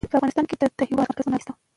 په افغانستان کې د د هېواد مرکز منابع شته.